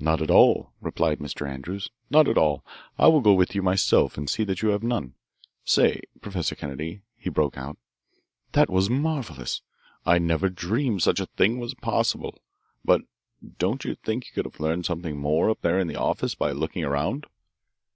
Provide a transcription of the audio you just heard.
"Not at all," replied Mr. Andrews, "not at all. I will go with you myself and see that you have none. Say, Professor Kennedy," he broke out, "that was marvellous. I never dreamed such a thing was possible. But don't you think you could have learned something more up there in the office by looking around?"